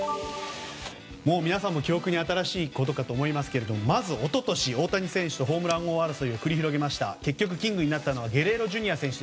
皆さんも記憶に新しいことかと思いますがまず、一昨年、大谷選手とホームラン王争いを繰り広げて結局キングになったのはゲレーロＪｒ．選手。